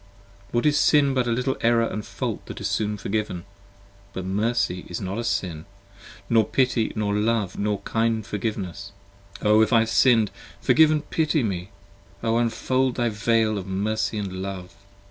What is Sin but a little Error & fault that is soon forgiven; but mercy is not a Sin 25 Nor pity nor love nor kind forgiveness: O! if I have Sinned Forgive & pity me! O! unfold thy Veil in mercy & love!